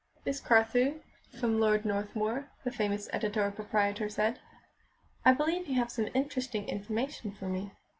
"Miss Carthew, from Lord Northmuir," the famous editor proprietor said. "I believe you have some interesting information for me."